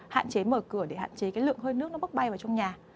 hạn chế mở cửa để hạn chế cái lượng hơi nước nó bốc bay vào trong nhà